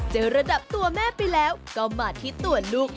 ระดับตัวแม่ไปแล้วก็มาที่ตัวลูก